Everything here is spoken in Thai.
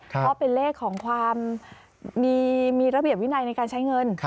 เพราะเป็นเลขของความมีระเบียบวินัยในการใช้เงิน